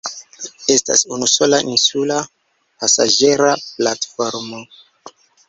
Estas unusola insula pasaĝera platformo.